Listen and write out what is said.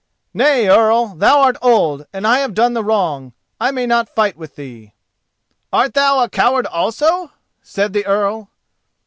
"Nay, Earl; thou art old, and I have done the wrong—I may not fight with thee." "Art thou a coward also?" said the Earl.